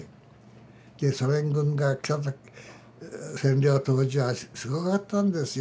ソ連軍が占領当時はすごかったんですよ。